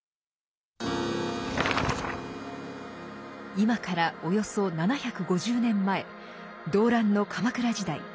今からおよそ７５０年前動乱の鎌倉時代。